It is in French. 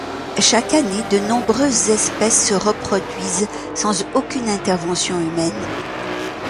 Chaque année de nombreuses espèces se reproduisent sans aucune intervention humaine.